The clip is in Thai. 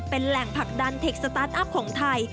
เป็นแหล่งผลักดันเทคสตาร์ทอัพของไทย